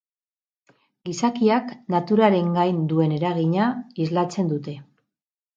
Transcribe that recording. Gizakiak naturaren gain duen eragina islatzen dute.